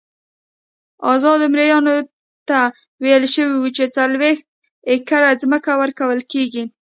ازادو مریانو ته ویل شوي وو چې څلوېښت ایکره ځمکه ورکول کېږي.